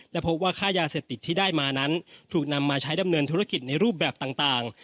และพบว่าค่ายาเสพติดที่ได้มานั้นถูกนำมาใช้ดำเนินธุรกิจในรูปแบบต่าง